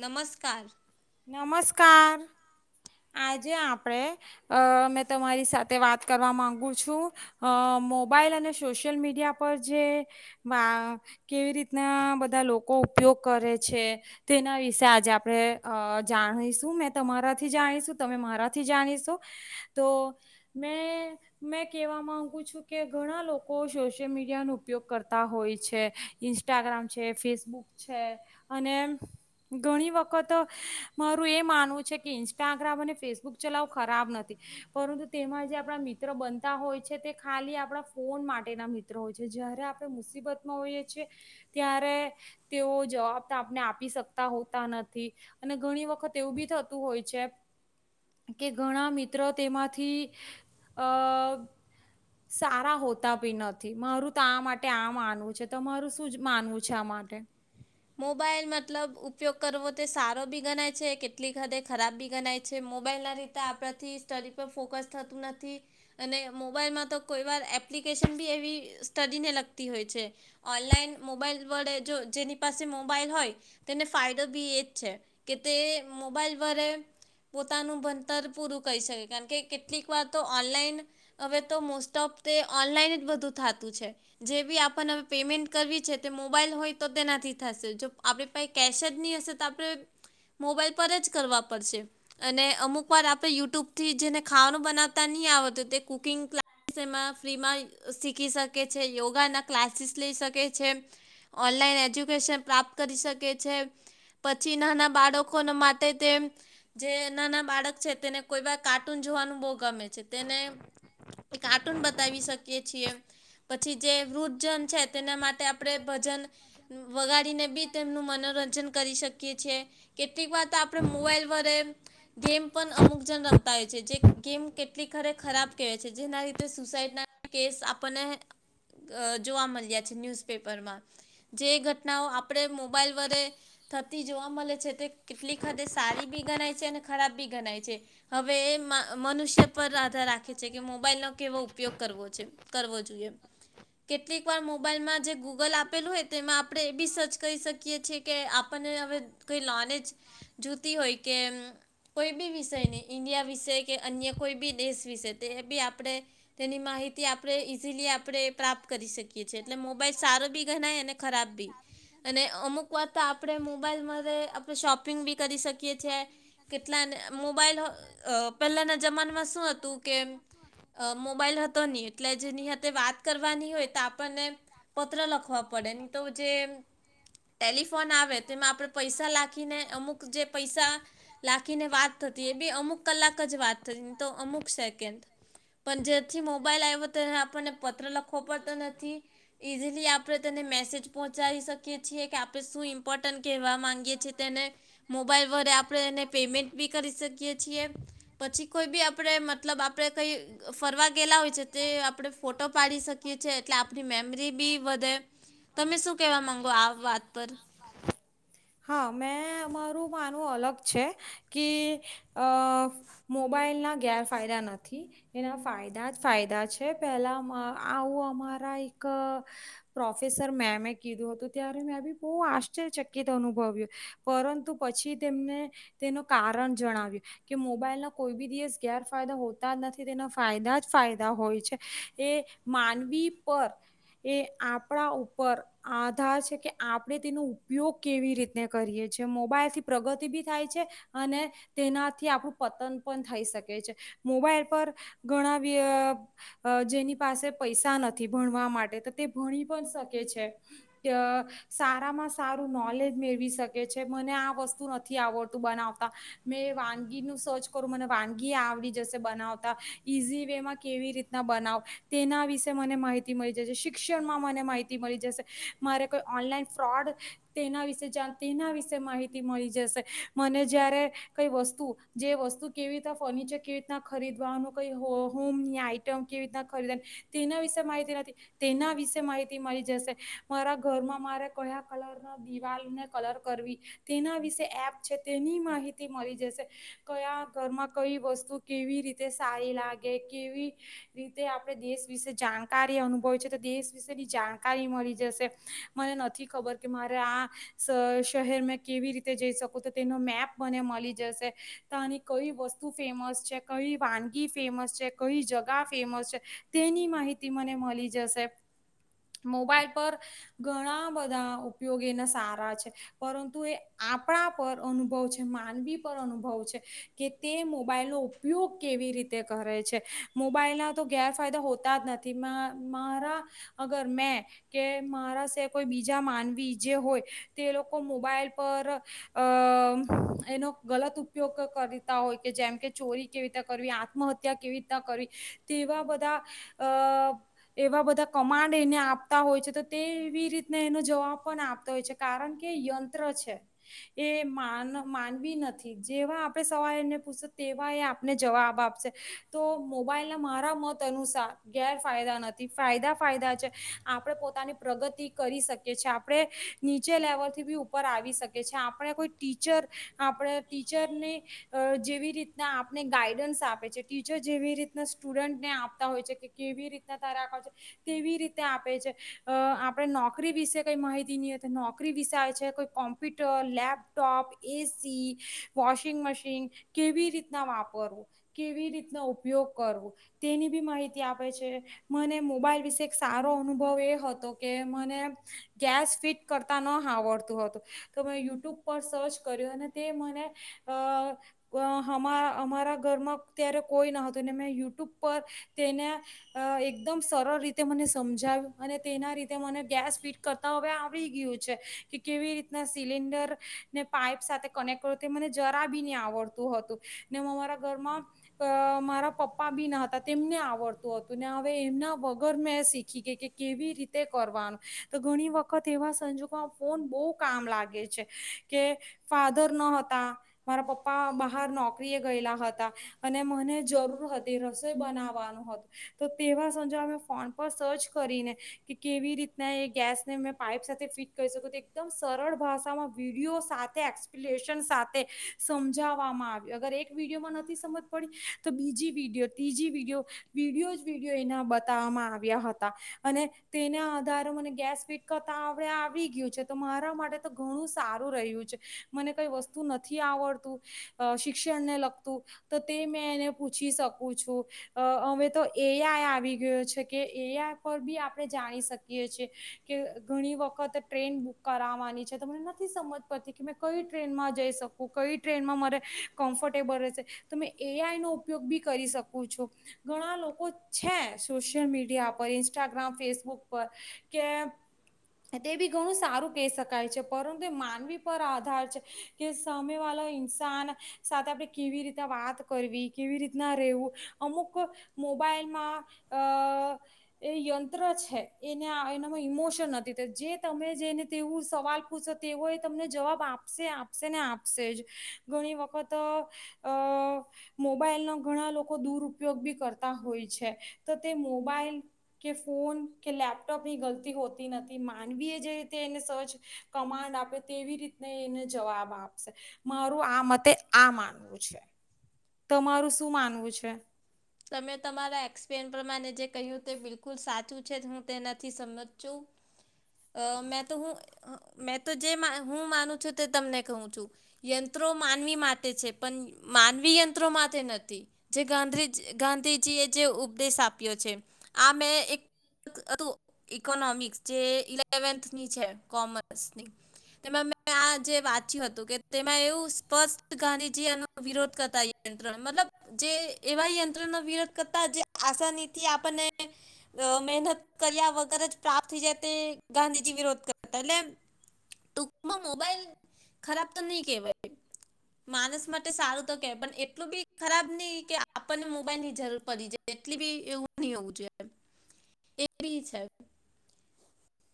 નમસ્કાર. નમસ્કાર આજે આપણે અ મેં તમારી સાથે વાત કરવા મામાંગુ છું અ મોબાઈલ અને સોશિયલ મીડિયા પર જે કેવી રીતના બધા લોકો. ઉપયોગ કરે છે તેના વિશે આજે આપણે જાણીશું મે તમારાથી જાણીશું તમે મારાથી જાણીશો તો મે મેં કેહેવા માંગુ છું કે ઘણા લોકો સોશિયલ મીડિયાનો ઉપયોગ કરતા હોય છે ઇન્સ્ટાગ્રામ છે ફેસબુક છે અને ઘણી વખત મારું એ માનવું છે કે ઇન્સ્ટાગ્રામ અને ફેસબુક ચલાવો ખરાબ નથી પરંતુ તેમાં જે આપણા મિત્ર બનતા હોય છે તે ખાલી આપણા ફોન માટેના મિત્ર હોય છે જયારે આપણે મુસીબતમાં હોઈએ છે ત્યારે તેઓ જવાબ તો આપને આપી શકતા હોતા નથી અને ઘણી વખત એવું બી થતું હોય છે કે ઘણા મિત્ર તેમાંથી અ સારા હોતા બી નથી મારું તો આ માટે આ માનવું છે તમારું શું જ માનવું છે આ માટે. મોબાઈલ મતલબ ઉપયોગ કરવો તે સારો બી ગણાય છે કેટલીક હદે ખરાબ બી ગણાય છે મોબાઈલ ના રીતે આપથી સ્ટડી પર ફોકસ થતું નથી અને મોબાઈલમાં તો કોઈ વાર એપ્લિકેશન બી એવી સ્ટડીને લગતી હોય છે. ઓનલાઈન મોબાઈલ વડે જો જેની. પાસે મોબાઈલ હોય તેને ફાયદો બી એજ છે કે તે મોબાઈલ વડે પોતાનું ભણતર પૂરું કરી શકે કારણ કે કેટલીક વાર તો ઓનલાઈન હવે તો મોસ્ટ ઓફ તે ઓનલાઈન જ બધું થતું છે જે બી આપને હ પેમેન્ટ કરવી છે તે મોબાઈલ હોય તો તે થી. થશે જો આપણી પાસે કેશ જ નહી હશે તો આપણે મોબાઈલ પર જ કરવા પડશે અને અમુક વાર આપણે યુટ્યુબ થી જેને ખાવાનું બનાવતા નહી આવડત તે કુકિંગ ક્લાસ એમાં ફ્રીમાં શીખી શકે છે યોગાના ક્લાસીસ લઈ શકે. છે ઓનલાઈન એજ્યુકે પ્રાપ્ત કરી શકે છે પછી નાના બાળકો માટે તે જે નાના બાળક છે તેને કોઈ વા કાર્ટૂન જોવાનું બહુ ગમે છે તેને કાર્ટૂન બતાવી શકી છીએ પછી જે વૃદ્ધજન છે તેના માટે આપડે ભજન વગાડીને બી તેમનું મનોરંજન કરી શકીએ છેએ કેટલીક વાર તો આપણે મોબાઈલ વડે ગેમ પણ અમુક જણ રમતા હોય છે જે ગેમ કેટલી ખરે ખરાબ કહેવાય છે જેના રીતે સુસાઈડના કેસ આપણને અ જોવા મળ્યા છે ન્યુઝપેપર માં જે ઘટનાઓ આપણે મોબાઈલ વડે થતી જોવા મળે છે તે કેટલી હદે સારી બી ગણાય છે અને ખરાબ બી ગણાય છે હવે એ મ મનુષ્ય પર આધાર રાખે છે કે મોબાઈલ નો કેવો ઉપયોગ કરવો છે કરવો જોઈએ કેટલીક મોબાઈલ માં જે ગુગલ આપેલું હો એ આપણે એ બી સર્ચ કરી શકીએ છએ કે આપણને હવે કઈ લોને જ જોતી હોય કે હમ્મ કોઈ બી વિષયની ઈન્ડિયા વિશે કે અન્ય કોઈ બી દેશ વિશે તે બી આપણે તેની માહિતી આપણે ઇઝીલી આપણે પ્રાપ્ત કરી શકીએ છીએ એટલે મોબાઈલ સારો બી ગણાય અને ખરાબ બી અને અમુક વાત તો આપણે મોબાઈલ આપણે શોપિંગ બી કરી શકી છે કેટલા મોબાઈલ અ પહેલાના જમાનામાં શું હતું કે અ મોબાઈલ હતો નની એટલે જેની વાત કરવાની હોય તો આપણને પત્ર લખવા પડે જે ટેલિફોન આવે તેમાં આપણે પૈસા લાખીને અમુક જે પૈસા લાખીને થતી અમુક કલાક જ વાત થ તો અમુક સેન્ડ પણ જેથી મોબાઈલ આવ્યો આપને પત્ર લો પડતો નથી ઈઝલી આપે તેને મેસેજ પહોંચાડી શકીએ છીએ કે આપણે શું ઇમ્પોર્ટન્ટ કહેવા માંગીએ છીએ તેને, મોબાઈલ વડે આપણેને પેમેન્ટ બી કરી શકીએ છીએ. પછી કોઈ બી આપણે મતલબ આપણે કઈ ફરવા ગયેલા હોય છે તે આપણે ફોટો પાડી શકીએ છે એટલે આપણી મેમરી બી વધે. તમે શું કેવા માંગો આ વાત પર? હા મેં મારું માનવું અલગ છે. કે અહ મોબાઈલના ગેરફાયદા નથી, એના ફાયદા જ ફાયદા છે. પહેલાં અહ આવું અમારા એક પ્રોફિસર મેમ એ કીધું હતું ત્યારે મેં બી બહુ આશ્ચર્યચકિત અનુભવ્યું, પરંતુ પછી તેમને તેનો કારણ જણાવ્યું કે મોબાઈલના કોઈ બી દિવસ ગેરફાયદા હોતા જ નથી તેના ફાયદા જ ફાયદા હોય છે. એ માનવી પર એ આપણા ઉપર આધાર છે કે આપણે તેનો ઉપયોગ કેવી રીતે કરીએ છીએ, મોબાઈલ થી પ્રગતિ બી થાય છે અને તેનાથી આપણું પતન પણ થઈ શકે છે. મોબાઈલ પર ઘણા વ્ય અહ જેની પાસે પૈસા નથી ભણવા માટે તો તે ભણી પણ શકે છે. ત સારામાં સારું નોલેજ મેળવી શકે છે. મને આ વસ્તુ નથી આવડતું બનાવત તા, મે વાનગીનું સર્ચ કરું મને વાનગી આવડી જશે બનાવતા. ઈઝી વેમાં કેવી રીતના બનાવ, તેના વિશે મને માહિતી મળી જશે. શિક્ષણમાં મને માહિતી મળી જશે. મારે કોઈ ઓનલાઈન ફ્રોડ તેના વિશે જાણ તેના વિશે માહિતી મળી જશે. મને જ્યારે કઈ વસ્તુ જે વસ્તુ કેવી રીતના, ફર્નિચર કેવી રીતના ખરીદવાનું, કોઈ હો હોમની આઈટમ કેવી રીતના ખરીદવાની, તેના વિશે માહિતી નથી, તેના વિશે માહિતી મળી જશે. મારા ઘરમાં મારે કયા કલરના દિવાલને કલર કરવી તેના વિશેે એપ છે. તેની માહિતી મળી જશે. કયા ઘરમાં કઈ વસ્તુ કેવી રીતે સારી લાગે. કેવી રીતે આપણે દેશ વિશે જાણકારી અનુભવી છે, તો દેશ વિશેની જાણકારી મળી જશે. મને નથી ખબર કે મારે આ શ શહેર મેં કેવી રીતે જઈ શકું તો તેનું મેપ મને મલી જશે. તાની કઈ વસ્તુ ફેમસ છે, કઈ વાનગી ફેમસ છે, કઈ જગા ફેમસ છે, તેની માહિતી મને મલી જશે. મોબાઈલ પર ઘણા બધા ઉપયોગ એના સારા છે, પરંતુ એ આપણા ઉપર અનુભવ છે, માનવી પર અનુભવ છે કે તે મોબાઈલ નો ઉપયોગ કેવી રીતે કરે છે? મોબાઈલ ના તો ગેરફાયદા હોતા જ નથી. મા મારા અગર મેં કે મારા સિવાય કોઈ બીજા માનવી જે હોય તે લોકો મોબાઈલ પર અહ અહ એનો ગલત ઉપયોગ કરતા હોય કે જેમ કે ચોરી કેવી રીતના કરવી, આત્મહત્યા કેવી રીતના કરવી, તેવા બધા અહ એવા બધા કમાન્ડ એને આપતા હોય છે, તો તેવી રીતના એનો જવાબ પણ આપતો હોય છે, કારણ કે એ યંત્ર છે. એ માન માનવી નથી. જેવા આપણે સવાલ એને પૂછશી તેવા એ આપને જવાબ આપશે. તો મોબાઈલના મારા મત અનુસાર ગેરફાયદા નથી. ફાયદા-ફાયદા છે. આપણે પોતાની પ્રગતિ કરી શકીએ છીએ. આપણે નીચે લેવલથી બી ઉપર આવી શકીએ છીએ. આપણે કોઈ ટીચર, આપણે ટીચરની અહ જેવી રીતના આપને ગાઈડન્સ આપે છે, ટીચર જેવી રીતના સ્ટુડન્ટને આપતા હોય છે, કે કેવી રીતના, [unintelligible] તેવી રીતે આપે છે. અહ આપણે નોકરી વિશે કંઈ માહિતી [unintelligible] તો નોકરી વિશે આવે છે. કોઈ computer, lab laptop, AC washing machine કેવી રીતના વાપર, કેવી રીતના ઉપ ઉપયોગ કરવો તેની બી માહિતી તી આપ છે. મને મોબાઈલ વિશે એક સારો અનુભવ એ હતો કે મને ગેસ ફિટ કરતા ન આવડતું હતું, તો મે યુટ્યુબ બ પર સર્ચ કર્યું અને તે મને અહ હમારા અમારા ઘરમાં ત્યારે કોઈ ન હતું ને મેં યુટ્યુબ પર તેને એકદમ સરળ રીતે મને સમજાવ્યું, અને તેના રીતે મને ગેસ ફિટ કરતા હવે આવડી ગયું છે, કે કેવી રીતના સિલિન્ડર ને પાઈપ સાથે કનેક્ટ કરો તે મને જરાબી ની આવડતું હતું. ને હું અમારા ઘરમાં અહ મારા પપ્પા બી ન હતા તેમને આવડતું હતું. ને હવે એમના વગર મેં શીખી ગેય કે કેવી રીતે કરવાનું. તો ઘણી વખત એવા સંજોગોમાં ફોન બોવ કામ લાગે છે. કે ફાધર ન હતા, મારા પપ્પા બહાર નોકરી એ ગયેલા હતા, અને મને જરૂર હતી, રસોઈ બનાવવાનું હતું, તો તેવા સંજોગા ફોન પર સર્ચ કરીને કે કેવી રીતના એ ગેસને મે પાઈપ સાથે ફીટ કરી શકું. તે એકદમ સરળ ભાષામાં વિડીયો સાથે, એક્સપ્લેશન સાથે સમજાવવામાં આવ્યું. અગર એક વિડીયોમાં નથી સમજ પડતી, તો બીજી વિડીયો, ત્રીજી વિડીયો વિડીયો જ વિડીયો એનામા મા બતાવવામાં આવ્યા હતા, અને તેના આધારે મને ગેસ ફીટ કરતા હવે આવડી ગયું છે તો મારા માટે તો ઘણું સારું રહ્યું છે. મને કંઈ વસ્તુ નથી આવડતું, અહ શિક્ષણને લગતું તો તે મેં એને પૂછી શકું છું. અહ હવે તો એ આઈ આવી ગયો છે, કે એ આઈ પર બી આપણે જાણી શકીએ છીએ કે ઘણી વખત ટ્રેન બુક કરાવવાની છે તો મને ના નથી સમજ પડતી કે મેં કઈ ટ્રેનમાં જઈ શકું, કઈ ટ્રેનમાં મારે કમ્ફર્ટેબલ રહેશે, તો એ આઈ નો ઉપયોગ બી કરી શકું છું. ઘણા લોકો છે સોશિયલ મીડિયા પર, ઇન્સ્ટાગ્રામ, ફેસબુક પર કે તે બી ઘણું સારું કહી શકાય છે પરંતુ [unintelligible] માનવી પર આધાર છે કે સામે વાલો ઇન્સાન સાથે આપરે કેવી રીતે વાત કરવી, કેવી રીતના રહેેવું, અમુક મોબાઈલમાં અહ એ યંત્ર છે, એને એનામાં ઇમોશન નથી તો જે તમે જેને તેવું સવાલ પૂછો તેવો એ તમને જવાબ આપશે-આપશે ને આપશે જ. ઘણી વખત અહ મોબાઈલનો ઘણા લોકો દુરપયોગ બી કરતા હોય છે. તો તે મોબાઈલ કે ફોન કે લેપટોપની ગલતી હોતી નથી. માનવી એ જે રીતે એને સર્ચ, કમાન્ડ આપે, તેવી રીતને એ એને જવાબ આપશે. મારું આ મતે આ માનવું છે આ માનવું છે. તમારું શું માનવું છે? તમે તમારા એક્સપેર પ્રમાણે જે કહ્યું તે બિલકુલ સાચું છે. હું તે નથી સમજું, મે તો હું મે તો જે માન હું માનું છું તે તમને કહું છું. યંત્રો માનવી માટે છે, પણ માનવી યંત્રો માટે નથી. જે ગાંધરી જ ગાંધીજી એ જે ઉપદેશ આપ્યો છે, આ મેં એક હતું ઈકોનોમિક્સ જે ઇલેવન્થની છે કોમર્સની, તેમાં મે આ જે વાંચ્યું હતું કે તેમાં એવું સ્પષ્ટ ગાંધીજી એનો વિરોધ કરતાં યંત્ર, મતલબ જે એવા યં ત્રનો વિરોધ કરતા જે આસાનીથી આપણને અહ મહેનત કર્યા વગર જ પ્રાપ્ત થઈ જાય તે ગાંધીજી વિરોધ કરતા. એટલે એમ ટૂકમાં મોબાઈલ ખરાબ તો નય કેવાય, માનસ માટે સારું તો કે. પણ એટલું બી ખરાબ ની કે આ આપણને મોબાઈલની જરૂર પડી જાય. એટલી બી એવું ની હોવું જોઈએ. એ બી છે.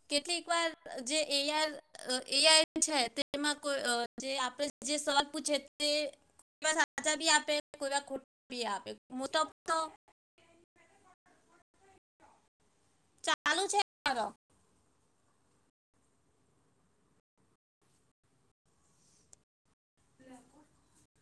કેટલીક વાર અહ જે એ આર અહ એઆઈ છે, તેમાં કોય અહ જે આપણે જે સવાલ પૂછીએ તે એમાં સાચા બી આપે, કોઈવાર ખોટા બી આપે. [unintelligible] ચાલુ છે કરો. [unintelligible]